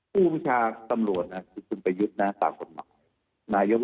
ผู้พิชาสำรวจคุณประยุทธ์ตามกฎหมาย